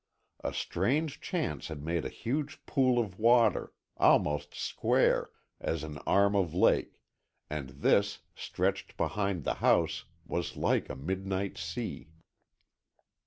A strange chance had made a huge pool of water, almost square, as an arm of the lake, and this, stretched behind the house, was like a midnight sea.